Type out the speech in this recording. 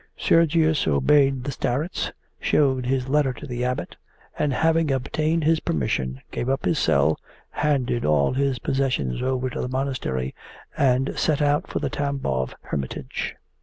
Sergius obeyed the starets, showed his letter to the Abbot, and having obtained his permission, gave up his cell, handed all his possessions over to the monastery, and set out for the Tambov hermitage.